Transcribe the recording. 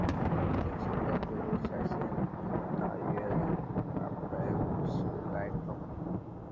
典型的贵州菜现有大约有二百五十来种。